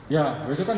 ya besok kan